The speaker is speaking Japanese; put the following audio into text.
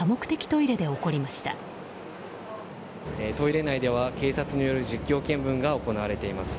トイレ内では、警察による実況見分が行われています。